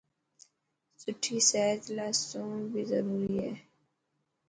سٺي صحت لاءِ سوڻ بي ضروري هي.